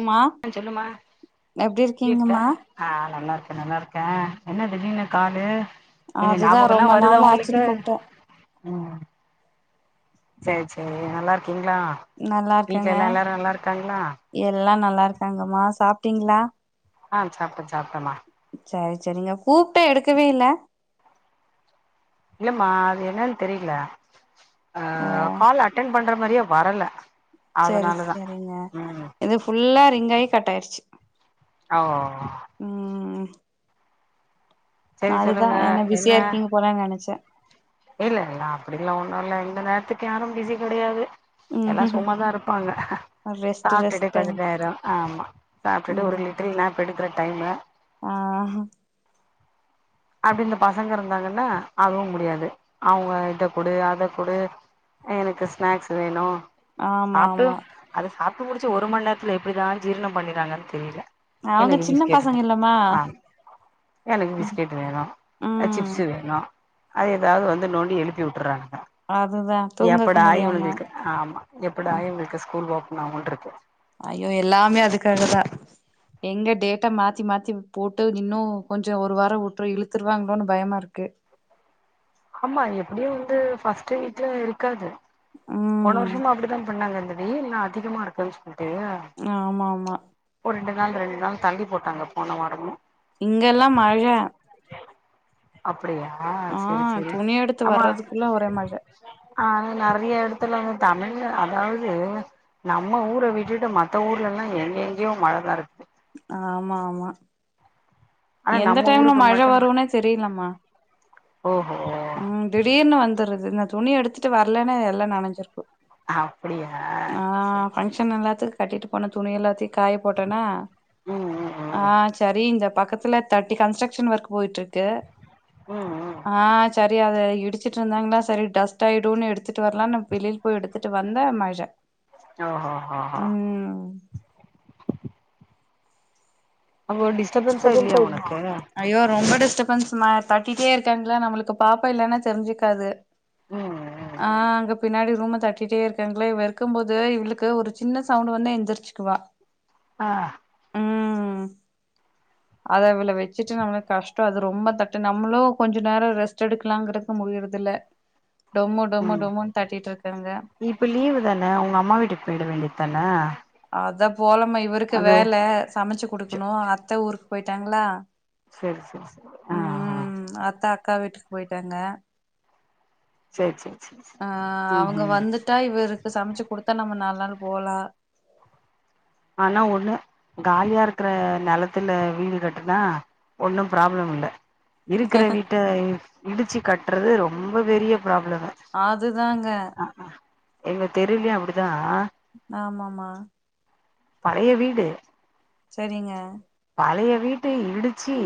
ம்மா ஆஹ் சொல்லுமா எப்டி எப்படிருக்க இருக்கீங்கம்மா ஆஹ் நல்லா இருக் இப்ப நல்லா இருக்கேன் என்ன திடீர்னு காலு எங்க அதுதா ஞாபகம் ரொம்ப எல்லாம் வருதா நாள் ஆச்சுன்னு உங்களுக்கு கூப்ட்டே உம் சேரி சேரி நல்லா இருக் நல்லா இருக்கேங்க இருக்காங்களா எல்லா நல்லா இருக்காங்கம்மா சாப் ப்டீங்களா ஆஹ் சாப்டேன் சாப்டேன்மா சேரி சேரிங்க கூப்ட எடுக்கவே இல்ல இல்லமா அது என்னன்னு தெரில ஓ ஆஹ் கால் அட்டன் பண்ற மாரியே வரல செரி அதனாலதா செரிங்க ம் இது ஃபுல்லா ரிங் ங்காயி கட்டாயிடுச்சு ஆஹ் ஓ சேரி நான் அதுதான் சொல்லுங்க என்ன பிஸியா இருக்கீங்க போலன்னு நெனச்சேன் இல்ல இல்ல அப்படில்லா ஒண்ணும் இல்ல இந்த நேரத்துக்கு யாரும் பிஸி கெடையாது எல்லாம் ம் சும்மாதான் இருப்பாங்க ரெஸ்ட் ரெஸ்ட் சாப்பிட்டுட்டு டைம் கொஞ்சநேரம் ஆமா சாப்பிட்டுட்டு ஒரு லிட்டர் நாப் எடுக்கற டைமு ஆஹ் அப்படி இந்த பசங்க இருந்தாங்கன்னா அதுவும் முடியாது அவங்க இத குடு அத குடு எனக்கு ஸ்நாக்ஸ் வேணும் ஆமா ஆமா சாப்பிட்டு முடிச்ச ஒருமணி நேரத்துல எப்படி தான் ஜீரணம் பண்ணிறாங்கன்னு தெரியல அவங்க சின்ன பசங்க இல்லமா எனக்கு ம் பிஸ்கெட் வேணும் அஹ் சிப்ஸ் வேணும் அது ஏதாவது வந்து நோண்டி எழுப்பி விட்டுறாங்க அதுதா தூங்கக்க எப்படா முடியாம இவங்களுக்கு ஆமா எப்படா ம் இவங்களுக்கு ஸ்கூல் ஒப் நா வண்ட்ருக்கே ஐயோ எல்லாமே அதுக்காகதா எங்க டேட்ட மாத்தி மாத்தி போட்டு இன்னு கொஞ்ச ஒரு வார வுட்டு இழுத்துருவாங்களோன்னு பயமா இருக்கு ஆமா எப்டியு வந்து ஃபர்ஸ்ட்டு வீட்ல இருக்காது போன ம் வருஷமு அப்டிதா பண்ணாங்க அங்க வெயில்லாம் அதிகமா இருக்கு ஆமா ஆமா ஒரு ரெண்டு நாள் ரெண்டு நாள் தள்ளி போட்டாங்க போன வாரமு இங்கல்லா மழ அ அப்டியா ஆ செரி செரி துணி எடுத்து ஆமா வர்றதுக்குள்ள ஒரே மழ ஆஹ் நெறைய [unintelligible] த்துல வந் தமிழ் அதாவது நம்ம ஊர விட்டுட்டு மத்த ஊர்லல்லா எங்க எங்கேயோ மழ வருது ஆமா ஆமா ஆனா எந்த நம்ம டைம்ல ஊருக்கு மழ மட்டு வரும்னே தெரியலமா ஓஹோ உம் திடீர்னு வந்துருது அது இந்த துணிய எடுத்துட்டு வரலன்னா எல்லாம் நனஞ்சிருக்கு அப்டியா ஆ செரி செரி செரி ஃபங்க்ஷன் எல்லாத்துக்கு கட்டிட்டு போன துணி எல்லாத்தயு காய போட்டேனா ம் ம் ம் ஆஹ் சரி இந்த பக்கத் த்துல தட்டி கன்ஸ்ட்ரக்சன் ஒர்க் போயிட்ருக் ட்டு ம் ம் ஆஹ் சர் ரி அத இடிச்சிட்டு இருந்தாங்களா சரி டஸ்ட் ஆயிடுன்னு எடுத்துட்டு வரலான்னு நா வெளியில போய் எடுத்துட்டு வந்த மழ ஓஹ் ஹா ஹா ம் அப்போ டிஸ்டபன்ஸா இல்லையா உனக்கு [unintelligible] ஐயோ ரொம்ப டஸ்ட் டிஸ்டபன்ஸ்ம்மா தட்டிட்டே இருக்காங்களா நம்மளுக்கு பாப்பா இல்லன்னா தெரிஞ்சுக்காது ம் ம் ஆஹ் அங்க பின்னாடி ரூம தட்டிட்டே இருக்காங்களே இவ இருக்கும்போது இவளுக்கு ஒரு சின்ன சவுண்ட் வந்தா எந்திரிச்சுக்குவா ஆஹ் அது அவள வெச்சுட்டு நம்மளுக்கு கஷ்டோ அது ரொம்ப தட்டு நம்மளு கொஞ்ச நேரோ ரெஸ்ட் எடுக்கலாங்கிறக்கு முடியறது இல்ல உம் இப்ப லீவுதான உங்க அம்மா வீட்டுக்கு போயிட வேண்டியத் ப்பன்னா அதா போலம்மா இவருக்கு வேல சமச்சு குடுக்கணு அத்த ஊர் போயிட்டாங்களா சரி சரி சரி ஆஹ் ஆஹ் ம் அத்த அக்கா வீட்டுக்கு போயிட்டாங்க செரி செரி செரி செரி ஆஹ் ம் அவங்க ம் வந்துட்டா இவருக்கு சமச்சி குடுத் அக்கா நம்ம நாலு நாளு போலா ஆனா ஒண்ணு காலியா இருக்குற நெலத்துல வீடு கட்டுனா ஒண்ணும் ப்ராப்ளம் இல்ல இருக்குற வீட்ட இடிச்சு கட்டுறது ரொம்ப பெரிய ப்ராப்ளமு அதுதாங்க எங்களுக்கு தெரியலயே அப்டிதான் ஆமாமா பழைய வீடு செரிங்க பழைய வீட்ட இடிச்சு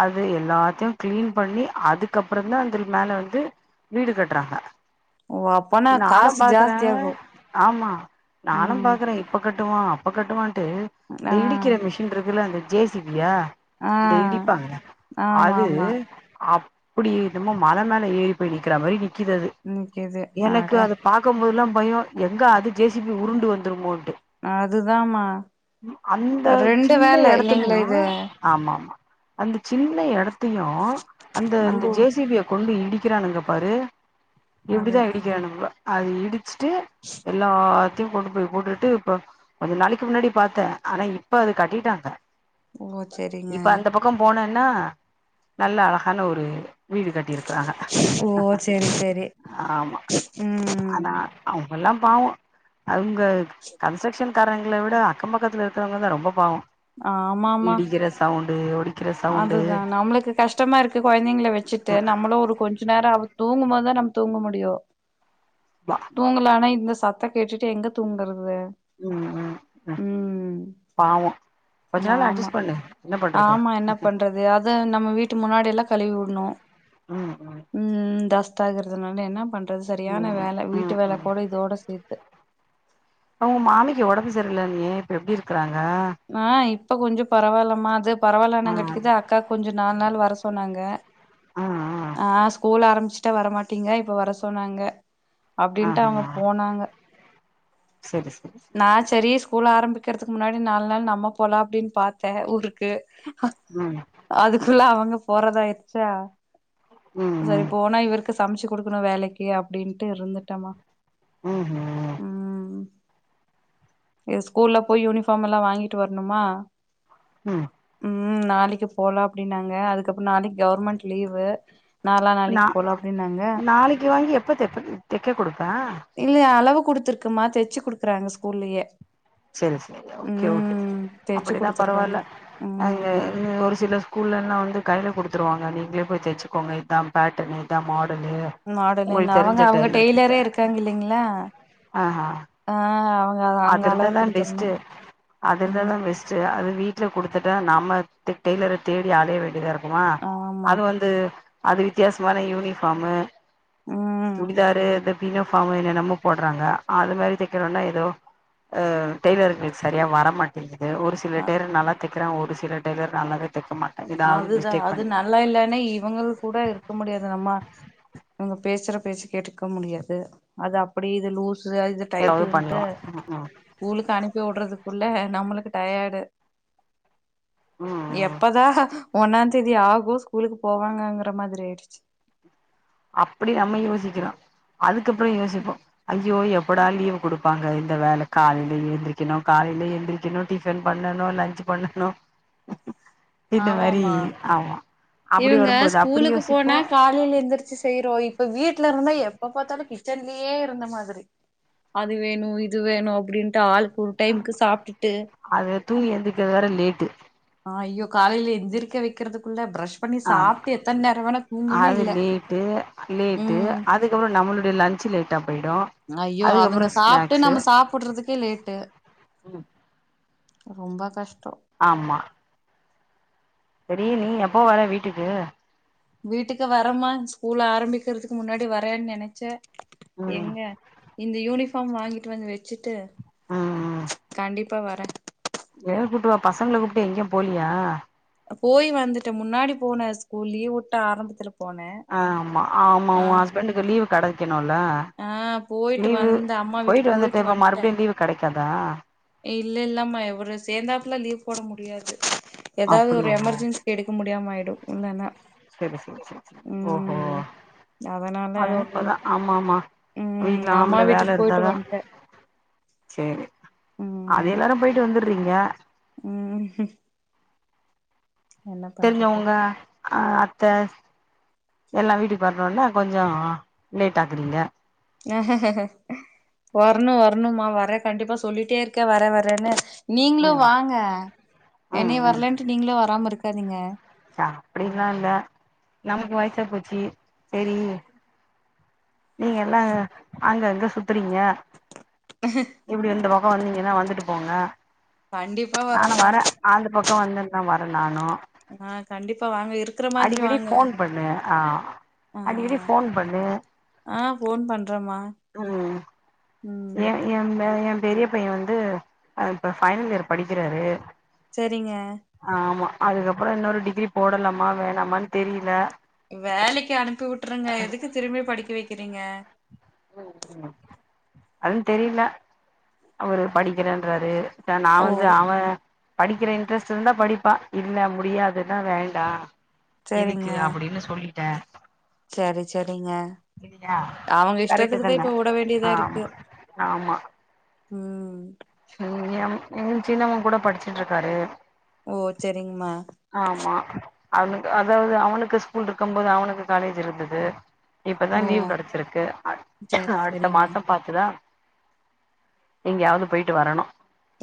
அது எல்லாத்தையும் கிளீன் பண்ணி அதுக்கப்பறம் தான் அ மேல வந்து வீடு கட்டுறாங்க ஓ அப்பனா நானும் காசு ஜாஸ்தி பாக்குறேன் ஆகு ஆமா நானும் ம் பாக்குறேன் இப்ப கிட்ட கட்டு அப்ப கட்டு ஆ டிக்கிற மிஷ இதுல வந்து ஜேசிவியா ஆ டிப்பாங்க ஆமா அது ஆமா அ இப்டி இதமமா மழ மேல ஏறி போய் நிற மாரி றது நிக்குது அட எனக்கு அத பாக்கபோதல்லாம் பயம் எங்க அது ஜே சிபி உருண்டு வந்துருமோ அதுதமா அந்த ரெண்டு இரெண்டு சின்ன வேல இல்லங்களா எடத்துலயு இது ஆமா அந்த சின்ன இடத்தையும் அந்த ஆ இந்த ஜேசிபிய கொண்டு இடிக்கிறானுங்க பாரு அது எப்டிதான் இடிக்கரனுக அது இடு ச்சிடு எல்லா கொண்டு போய்ட்டுட்டு இப்ப கொஞ்சம் நாளைக்கு முன்னாடி பாத்தேன் ஆனா இப்ப அதுக்கு கட்டிட்டாங்க ஓ சரிங்க இப்ப அந்த பக்கம் போனே ன்ன நல்ல அழகான ஒரு வீடு கட்டிருக்காங்க ஓ சரி சரி ஆமா ம் ஆனா ஆ ல்லாம் பாவும் அவங்க கன்ஸ்ட்ரக்ஷன் காரணங்கள விட அக்கம் பக்கத்தில் இருக்கிறவங்க தான் ரொம்ப பம் ஆ ஆமா ஆமா அஓடி அதுதான் நம்மளுக்கு கஷ்டமா இருக்கு கொழந்தைங்களை வச்சுட்டு நம்மளும் ஒரு கொஞ்சம் நேரம் தூங்கும்போதான் நம்ம தூங்க முடியும் தூங்கல ஆனா இந்த சத்த கேட்டுட்டு எங்க தூங்குறது ம் ம் ம் பாவம் கொஞ்ச நாள் ஆமா அட்ஜஸ்ட் பண்ணு என்ன பண்றது ஆமா என்ன பண்றது அத நம்ம வீட்டு முன்னாடி எல்லாம் கழுவி விடனும் ம் ம் டெஸ்ட்டாயிருக்குராது என்ன பண்ண சரியான ம் வேல வீட்டு ம் வேல ம் கூட இதோட சேர்த்து இல்ல அண்ணி இப்ப எப்டி இருக்கிறாங்க ஆ இப்ப கொஞ்சம் பரவாயில்லாம அது பரவாலானா ஆ கட்டுக்குது அக்கா கொஞ்சம் நாலு நாள் வர சொன்னாங்க ஆ ஸ்கூல் ஆரம்ப முச்சிட்டா வரமாட்டீங்கா இப்ப வர சொன்னாங்க அப்டின்னுட்டு அங்க ஆஹா போனாங்க செரி செரி நான் செரி ஸ்கூல் ஆரம்பிக்கிறதுக்கு முன்னாடி நாலு நாள் நம்ம போகலா அப்டின்னு பாத்தேன் ஊருக்கு ம் இப்போல அவங்க போறதாயிச்சா ம் சரி ம் போனா இவருக்கு சமைச்சு குடுக்கணும் வேலக்கு அப்டின்ட்டு இருந்துட்டமா ம் ம்ம் ம் ஸ்கூல்ல போய் யூனிஃபார்ம் எல்லாம் வாங்கிட்டு வரணுமா ம் ம் நாளைக்கு போலாம் அப்டின்னாங்க அதுக்கப்பறம் நாளைக்கு கவுர்மெண்ட் லீவு நாலா நா நாளைக்கு போலா அப்டின்னாங்க நாளைக்கு வாங்கி எப்பப்ப தெக்க கொடுப்பான் கொடுத்தத்துருக்குமா தைச்சு கொடுக்க கிராங்க்ஸ்கூல்லயே செரி செரி ஓகே ஓகே தெச்சு அப்டினா குடுத்துருவாங்க பரவால ம் ஒரு சில ஸ்கூல்லல்லாம் வந்து கையில கொடுத்துருவாங்க நீங்களே போய் தைச்சுகோங்க இதான் பேட்டன் இதான் மாடனு மாடல்ன்னு அவங்க அவங்க கிட்ட டெய்லரே இருக்காங்க இல்லங்களா ஆஹா ஆ அவங்க அங்க அது இருந்த அளவு தான் பெஸ்ட் குடுத்துரணு அது ம் இருந்தாதான் பெஸ்ட் அது வீட்டு கொடுத்துட்ட நாம டெய்லர தேடி அலய வேண்டியதா இரு உமா ஆமா அது வந்து அது வித்தியாசமான யூனிஃபார்மு ம் சுடிதாரு இது பீனோ ஃபார்ம் என்னென்னமோ போடுறாங்க அது மாரி தைக்கணுன்னா ஏதோ அஹ் டெய்லர்களுக்கு சரியா வரமாட்டேங்கு ஆ ஒரு சில அ டெய்லர் நல்லா தப் க்கிறா ஒரு சில டெய்லர் நல்லாவே தைக்க மாட்டாங்க ஏதாவது அதுதா மிஸ்டேக் அது பண்ணி நல்லா இல்லனே இவங்கள் கூட இருக்க முடியாது நம்ம இங்க பேசுற பேச்சு கேட்டுக்க முடியாது அது அப்படி இது லூஸ் [unintelligible] இது ஏதாவது டைட்டுன்ட்டு பண்ணுவா ம் ம் ஸ்கூலுக்கு அனுப்பி விடுறதுக் உள்ள நம்மளுக்கு டயர்டு ம் ம் ப்ப ஒன்னாந் தேதி ஆகு ஸ்கூலுக்கு போவாங்கங்கற மாதிரி ஆயிடுச்சு அப்டி நம்ம யோசிக்கிறோ அதுக்கப்றோ யோசிப்போ ஐயோ எப்படா லீவ் குடுப்பாங்க இந்த வேல காலையில எந்திரிக்கணு காலையில எந்திரிக்கணு டிஃபன் பண்ணணு லன்ச் பண்ணணு இந்த மாரி ஆமாம்மா ஆமா அப்டி இவங்க வரும்போது அப்டி ஸ்கூலுக்கு யோசிப்போ போனா காலைல எந்திரிச்சி செய்யறோ இப்ப வீட்ல இருந்தா எப்ப பாத்தாலு கிச்சன்லயே இருந்த மாதிரி அது வேணு இது வேணு அப்டின்ட்டு ஆள் அது தூங்கி எந்திக்கிறது வேற லேட் த்து ஆ ஐயோ காலைல எந்திரிக்க வைக்கிறதுக்குள்ள பிரஷ் பண்ணி ஆமா சாப்ட்டு எத்தன் நேர வேணா தூங்குன்னு அது இல்ல லேட்டு லேட்டு ம் அதுக்கப்புறோ நம்மளுடய லன்ச்சு லேட்டாகு ஐயோ அதுங்க சாப்ட்டு நம்ம சாப்புடுறதுக்கே லேட்டு ரொம்ப கஷ்டோ ஆமா சரி நீ எப்போ வர வீட்டுக்கு வீட்டுக்கு வரமா ஸ்கூல் ஆரம்பிக்கிறதுக்கு முன்னாடி வரேன்னு நெனச்சே ம் ம் எங்க இந்த யூனிஃப் எஃப் எம் வாங்கிட்டு வந்து வச்சிட்டு கண்டிப் இப்ப வரே வேண்ணா கூப்ட்டு வா பசங்கள கூப்ட்டு எங்கயு போலியா போய் வந்துட்டே முன்னாடி போன ஸ்கூல் லீவ் வுட்ட ஆரம்பத்துல போனே ஆஹ் ஆமா ஆமா ஆ உன் ஹஸ்பண்டுக்கு லீவ் கடைக்க னால ஆ போயிட்டு லீவு வந்து அம்மா போயிட்டு வீட்டுக்கு வந்துட்டு இப்ப வந்ட்டே மறுபடியு லீவு கெடைக் க்கதா இல்ல இல்லம்மா இவரு சேந்தாப்புல லீவ் போட முடியாது எதாவது ஒரு அப்டியா எமர்ஜென்சிக்கு எடுக்க முட் உபயம் ஆயிடும் ல்லன செரி செரி செரி செரி ஓஹோ அதனால அது உண்மதான் ஆமா ஆமா ம் வீட்டுல அம்மா ஆம்பல வீட்டுக்கு வேல போயிட்டு இருந்தாதா வந்ட்டே செரி அது ம் எல்லாரும் போயிட்டு வந்து றீங்க ம் என்ன தெரிஞ்ச பண்றது உங்க அ அத்த எல்லாம் வீட்டுக்கு வரணுல கொஞ்சம் லேட் ஆக்குறீங்க ஆ வரணும் வரணும்மா வரேன் கண்டிப்பா சொல்லிட்டே இருக்கேன் வரேன் வரேன்னு நீங்களும் ம் வாங்க ம் என்னையும் வரலன்ட்டு நீங்களும் வராம இருக்க ப்ப நீங்க அப்டில்லாம் இல்ல நமக்கு வயசா போச்சு செரி நீங்க எல்லாம் அங்கங்க சுத்துரிங்க எப்டி இந்த பக்கம் வந்தீங்கன்னா வந்துட்டு போங்க கண்டிப்பா நானும் வரேம்மா வரேன் ஆந்த பக்கம் வந்துருந்தான் வரேன் நானு ஆ கண்டிப்பா வாங்க ப்ப அடிக்கடி போன் பண்ணு ஆ ஆ அடிக்கடி போன் பண்ணு ஆ ஃபோன் பண்றேம்மா ம் ம் [inaudible] பெரிய பையன் வந்து இப்ப ஃபைனல் இயர் படிக்கிறாரு சேரிங்க அதுக்கப்பறம் இன்னொரு டிகிரி போடலாமா வேணாமானு தெரியல வேலக்கு அனுப்பி விட்டுருங்க எதுக்கு திரும்பி படிக்க வைக்க ருக்கிறீங்க அது தெரியல அவரு படிக்கிறேன்றாரு நான ஓ வந்து அவன் படிக்கிற இன்ட்ரெஸ்ட் இருந்தா படி ப்பா இல்ல முடியாதுன்னா வேண்டாம் எதுக்கு அப்டின்னு சொல்லி அ செரி செரிங்க அவங்க கரெக்ட்டு இஷ்டத்துக்குதான் தான இப்ப விட வேண்டியதா ஆமா இருக்கு ம் ம் எம் சின்னவன் கூட படிச்சுட்டு இருக்காரு ஓ செரிங்கமா ஆமா அவனுக்கு அதாவது அவனுக்கு ஸ்கூல் இருக்கும் போது அவனுக்கு காலேஜ் இருந்தது ஓ இப்பதான் லீவ் கெடைச்சிருக்கு சரி அடுத்த சரிங்க மாசம் பத்துதா எங்கயாவது போயிட்டு வரணும்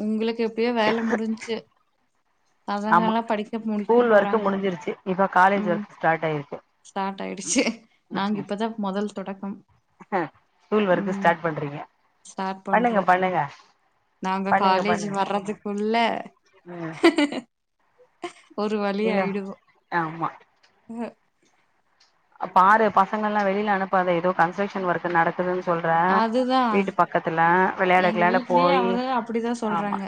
உங்களுக்கு எப்டியோ வேலை முடிஞ்ச்சு பசங்க ஆமா எல்லாம் படிப்பு முடிக்க ஸ்கூல் ஒர்க்கு போறாங்க முடிஞ்சிருச்சு இப்ப காலேஜ் உம் ஒர்க் ஸ்டார்ட் ஆயிருக்கு ஸ்டார்ட் ஆயிடுச்சு நாங்க இப்பதான் முதல் தொடக்கம் ஹ ஸ்கூல் ஒர்க ம் ஸ்டார்ட் பண்றீங்க ஸ்டார்ட் பண்ணுங்க பண்றோ பண்ணுங்க நாங்க பண்ணுங்க காலேஜ் பண்ணுங்க வர்றதுக்குள்ள உம் [inaudible] ஒரு வழியாயிடுவோம் ஆமா அஹ பாரு பசங்க எல்லாம் வெளியில அனுப்பாத ஏதோ கன்ஸ்ட்ரக்ஷன் ஒர்க் நடக்கு இருக்குதுன்னு சொல்ற அதுதா வீட்டு பக்கத்துல விளையாட எங்க கிளையாட வீட்லயே போய் அவரு அப்படிதா ஆமா சொல்றாங்க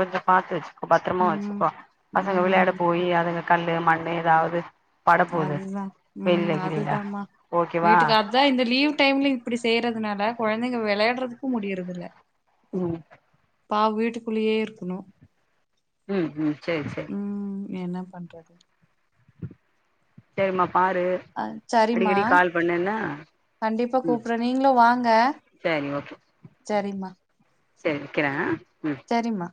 கொஞ்சம் பாத்து பத்திரமா ம் வச்சுக்கோ பசங்க விளையாட ம் போய் அதுங்க கல்லு மண்ணு ஏதாவது பட போது அதுதா வெயில்ல ம் அது கில்ல தமா ஓகேவா வீட்டுக்கு அதான் இந்த லீவ் டைம்லயும் இப்படி செய்யறதுனால கெழந்தைங்க விளையாடுறதுக்கு முடியறதுல்ல உம் பாவம் வீட்டுக்குள்ளேயே இருக்குணும் உம் உம் செரி செரி என்ன பண்றது செரிமா அஹ் சரிம்மா என்ன கண்டிப்பா ம் கூப்பிறேன் நீங்களும் வாங்க சரிம்மா செரி வைக்கிறேன் செரிம்மா